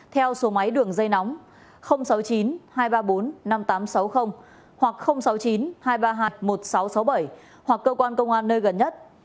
theo số máy đường dây nóng sáu mươi chín hai trăm ba mươi bốn năm nghìn tám trăm sáu mươi hoặc sáu mươi chín hai trăm ba mươi hai một nghìn sáu trăm sáu mươi bảy hoặc cơ quan công an nơi gần nhất